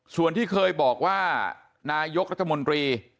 ส่วนที่เคยบอกว่านายกรัฐมนตรี